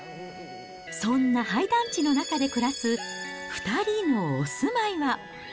そんな廃団地の中で暮らす２人のお住まいは。